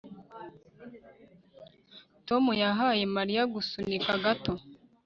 Tom yahaye Mariya gusunika gato